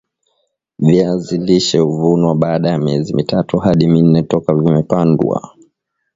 viazi lishe huvunwa baada ya miezi mitatu hadi minne toka vimepandwa